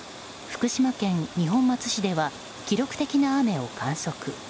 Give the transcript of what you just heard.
福島県二本松市では記録的な雨を観測。